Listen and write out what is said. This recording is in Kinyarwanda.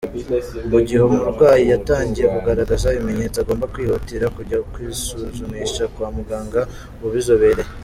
Mu gihe umurwayi yatangiye kugaragaza ibimenyetso agomba kwihutira kujya kwisuzumisha kwa muganga ubizobereye.